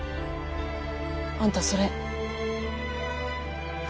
あんたそれ。